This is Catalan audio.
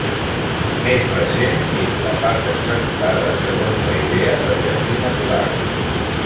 Més recent és la part executada segons la idea de jardí natural.